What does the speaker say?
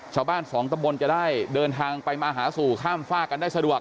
ชาวบ้านสองตำบลจะได้เดินทางไปมาหาสู่ข้ามฝ้ากันได้สะดวก